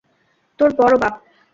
তোর বড় বাপ!